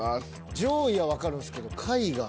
上位はわかるんすけど下位が。